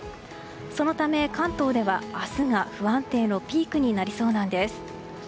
そのため関東では明日が不安定のピークになりそうなんです。